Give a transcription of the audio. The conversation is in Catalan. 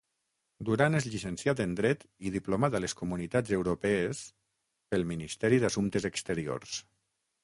Duran és llicenciat en dret i diplomat a les comunitats europees pel Ministeri d'Assumptes Exteriors.